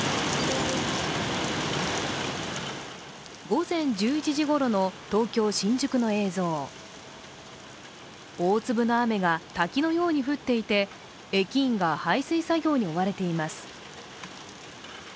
午前１１時ごろの東京・新宿の映像大粒の雨が、滝のように降っていて駅員が排水作業に追われています。